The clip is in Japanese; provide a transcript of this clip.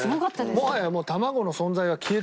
もはや卵の存在が消えてたね。